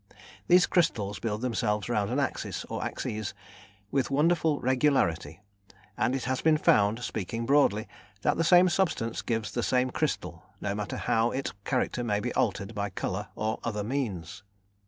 These crystals build themselves round an axis or axes with wonderful regularity, and it has been found, speaking broadly, that the same substance gives the same crystal, no matter how its character may be altered by colour or other means.